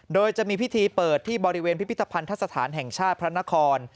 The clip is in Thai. โดยจะมีพิธีเปิดที่บริเวณพิพิธภัณฑสถานแห่งชาติพระนคร